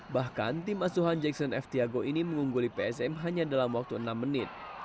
bahkan tim asuhan jackson f tiago ini mengungguli psm hanya dalam waktu enam menit